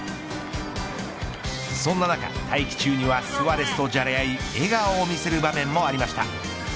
そんな中、待機中にはスアレスとじゃれ合い笑顔を見せる場面もありました。